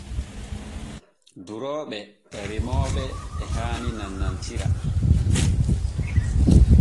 Durooɓe e remooɓe e haani nannantira.